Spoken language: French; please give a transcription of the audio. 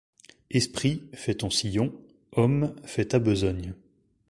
Esprit, fais ton sillon, homme, fais ta besogne.